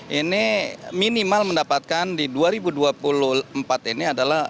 ya target pks bagaimana diamahkan dalam munas ke lima tahun dua ribu dua puluh kepada presiden seluruh jajaran